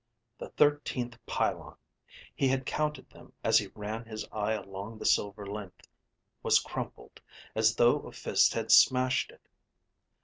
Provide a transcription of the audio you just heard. The thirteenth pylon he had counted them as he ran his eye along the silver length was crumpled, as though a fist had smashed it.